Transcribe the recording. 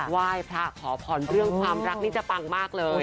ไหว้พระขอพรเรื่องความรักนี่จะปังมากเลย